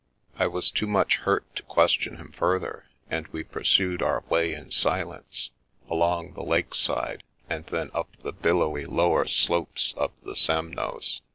I was too much hurt to question him further, and we pursued our way in silence, along the lake side, and then up the billowy lower slopes of the Semnoz.